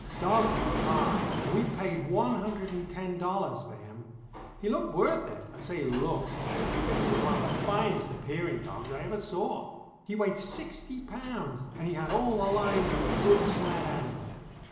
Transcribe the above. Dogs were high, and we paid one hundred and ten dollars for him. He looked worth it. I say looked, because he was one of the finest appearing dogs I ever saw. He weighed sixty pounds, and he had all the lines of a good sled animal.